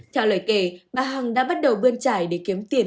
theo lời kể bà hằng đã bắt đầu bơn trải để kiếm tiền